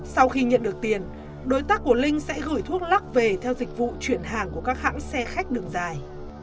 sau khi nhận được tiền đối tác của linh sẽ gửi thuốc lắc về theo dịch vụ chuyển hàng của các hãng xe khách đường dài